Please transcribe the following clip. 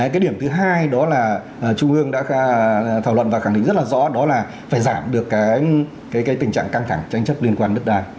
cái điểm thứ hai đó là trung ương đã thảo luận và khẳng định rất là rõ đó là phải giảm được tình trạng căng thẳng tranh chấp liên quan đất đai